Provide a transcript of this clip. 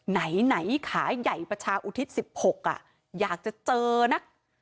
ไหนขาใหญ่ประชาอุทิศ๑๖อยากจะเจอนะ